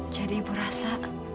jadi ibu rasa